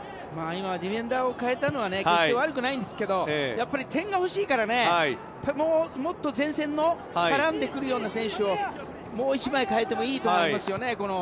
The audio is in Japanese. ディフェンダー代えたのは決して悪くないんですけど点が欲しいからもっと前線で絡んでくる選手をもう１枚代えてもいいと思いますよね。